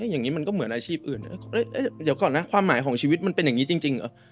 อย่างนี้มันก็เหมือนอาชีพอื่นนะเดี๋ยวก่อนนะความหมายของชีวิตมันเป็นอย่างนี้จริงเหรอ